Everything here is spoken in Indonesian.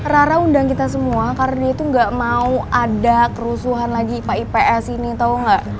rara undang kita semua karena dia tuh gak mau ada kerusuhan lagi ipa ips ini tau gak